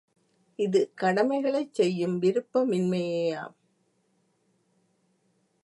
இது கடமைகளைச் செய்யும் விருப்ப மின்மையேயாம்.